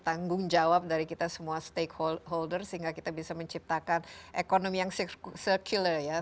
tanggung jawab dari kita semua stakeholder sehingga kita bisa menciptakan ekonomi yang circular ya